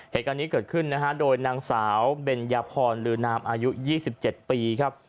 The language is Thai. เหตุอันนี้เกิดขึ้นโดยนางสาวเบนยาพรหรือนามอายุ๒๗ปีครับ